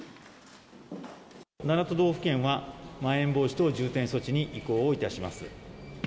７都道府県は、まん延防止等重点措置に移行をいたします。